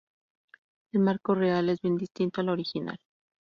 El marco real es bien distinto al original.